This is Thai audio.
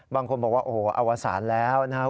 บางคนบอกว่าโอ้โหอวสารแล้วนะครับ